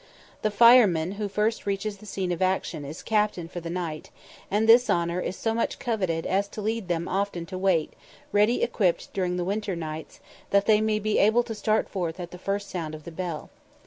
The fireman who first reaches the scene of action is captain for the night, and this honour is so much coveted, as to lead them often to wait, ready equipped, during the winter nights, that they may be able to start forth at the first sound of the bell.